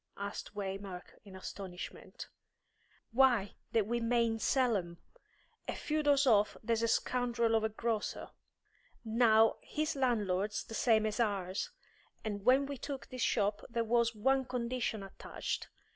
asked Waymark, in astonishment. "Why, that we mayn't sell 'em! A few doors off there's a scoundrel of a grocer. Now, his landlord's the same as ours, and when we took this shop there was one condition attached.